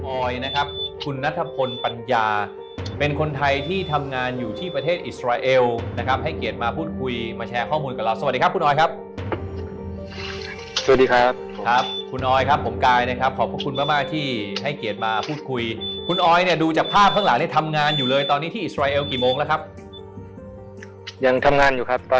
ออยนะครับคุณนัทพลปัญญาเป็นคนไทยที่ทำงานอยู่ที่ประเทศอิสราเอลนะครับให้เกียรติมาพูดคุยมาแชร์ข้อมูลกับเราสวัสดีครับคุณออยครับสวัสดีครับครับคุณออยครับผมกายนะครับขอบพระคุณมากมากที่ให้เกียรติมาพูดคุยคุณออยเนี่ยดูจากภาพข้างหลังเนี่ยทำงานอยู่เลยตอนนี้ที่อิสราเอลกี่โมงแล้วครับยังทำงานอยู่ครับ